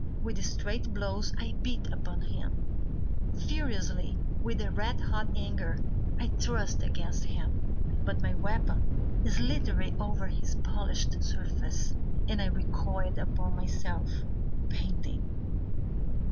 With straight blows I beat upon him, Furiously, with red hot anger, I thrust against him. But my weapon slithered over his polished surface, And I recoiled upon myself, Panting.